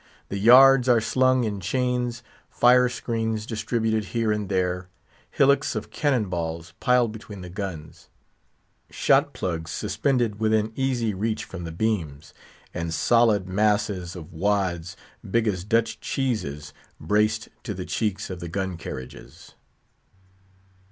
The yards are slung in chains; fire screens distributed here and there: hillocks of cannon balls piled between the guns; shot plugs suspended within easy reach from the beams; and solid masses of wads, big as Dutch cheeses, braced to the cheeks of the gun carriages.